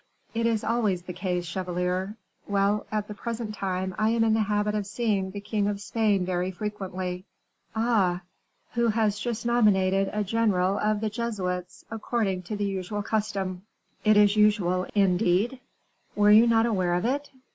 "It is always the case, chevalier. Well, at the present time I am in the habit of seeing the king of Spain very frequently." "Ah!" "Who has just nominated a general of the Jesuits, according to the usual custom." "Is it usual, indeed?" "Were you not aware of it?"